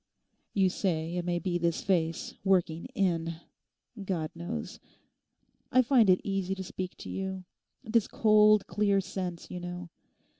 You say it may be this face, working in! God knows. I find it easy to speak to you—this cold, clear sense, you know.